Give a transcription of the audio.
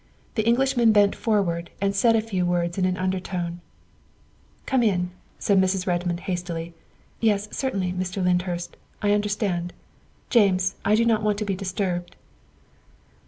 The Englishman bent forward and said a few words in an undertone. " Come in," said Mrs. Redmond hastily, " yes, cer tainly, Mr. Lyndhurst, I understand. James, I do not wish to be disturbed.